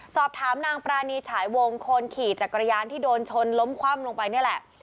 สอบถามนางปรานีฉายวงคนขี่จักรยานที่โดนชนล้มคว่ำลงไปนี่แหละ